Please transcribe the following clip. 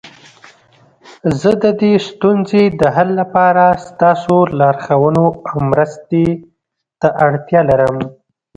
زه د دې ستونزې د حل لپاره ستاسو لارښوونو او مرستي ته اړتیا لرم